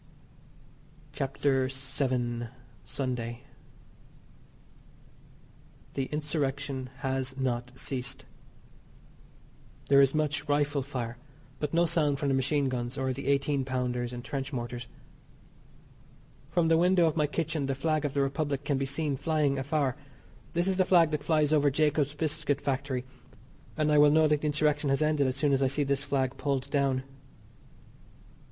CHAPTER VII. SUNDAY. The Insurrection has not ceased. There is much rifle fire, but no sound from the machine guns or the eighteen pounders and trench mortars. From the window of my kitchen the flag of the Republic can be seen flying afar. This is the flag that flies over Jacob's Biscuit Factory, and I will know that the Insurrection has ended as soon as I see this flag pulled down.